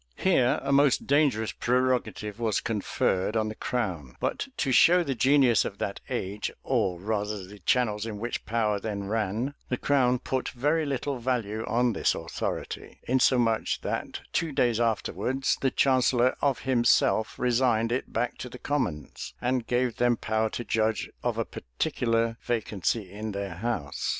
Here a most dangerous prerogative was conferred on the crown: but to show the genius of that age, or rather the channels in which power then ran, the crown put very little value on this authority; insomuch that two days afterwards the chancellor of himself resigned it back to the commons, and gave them power to judge of a particular vacancy in their house.